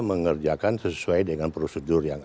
mengerjakan sesuai dengan prosedur yang